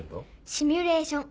シミュレーション。